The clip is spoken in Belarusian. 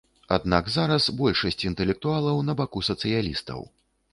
Аднак зараз большасць інтэлектуалаў на баку сацыялістаў.